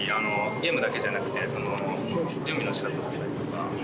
ゲームだけじゃなくて準備のしかただったりとか。